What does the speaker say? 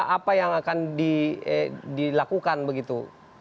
apa yang akan dilakukan begitu